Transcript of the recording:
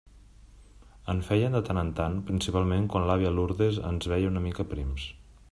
En feien de tant en tant, principalment quan l'àvia Lourdes ens veia una mica prims.